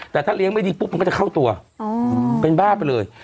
แต่ถ้าเลี้ยงไม่ดีปุ๊บมันก็จะเข้าตัวเป็นบ้าไปเลย